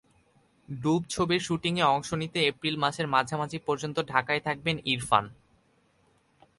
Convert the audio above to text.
ডুব ছবির শুটিংয়ে অংশ নিতে এপ্রিল মাসের মাঝামাঝি পর্যন্ত ঢাকায় থাকবেন ইরফান।